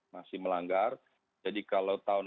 masih melanggar jadi kalau tahun